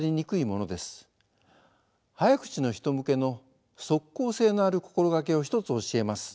早口の人向けの即効性のある心がけを一つ教えます。